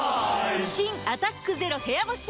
新「アタックＺＥＲＯ部屋干し」